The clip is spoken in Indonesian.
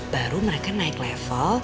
baru mereka naik level